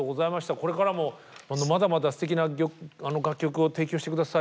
これからもまだまだすてきな楽曲を提供して下さい。